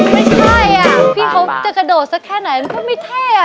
ไม่ใช่อ่ะพี่เขาจะกระโดดสักแค่ไหนมันก็ไม่เท่อ่ะ